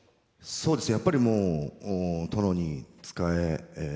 そうですね。